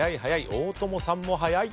大友さんも早い。